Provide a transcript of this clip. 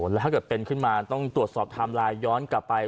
แล้วถ้าเกิดเป็นขึ้นมาต้องตรวจสอบไทม์ไลน์ย้อนกลับไป